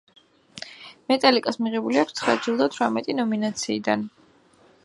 მეტალიკას მიღებული აქვს ცხრა ჯილდო თვრამეტი ნომინაციიდან.